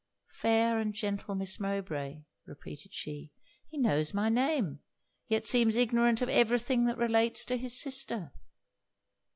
'Fair and gentle Miss Mowbray!' repeated she. 'He knows my name; yet seems ignorant of every thing that relates to his sister!'